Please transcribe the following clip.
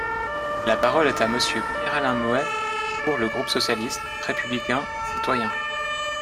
La parole est à Monsieur Pierre-Alain Muet, pour le groupe socialiste, républicain et citoyen.